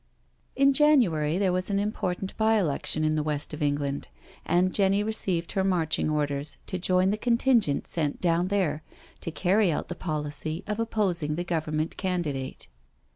In January there was an important by election in the West of England, and Jenny received her march ing orders to join the contingent sent down there, to carry out the policy of opposing the Government can didate.